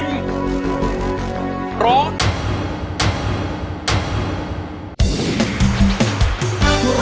ไม่